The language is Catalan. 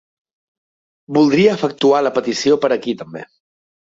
Voldria efectuar la petició per aquí també.